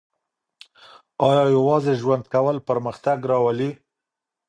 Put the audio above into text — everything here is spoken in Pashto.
آیا یوازې ژوند کول پرمختګ راولي؟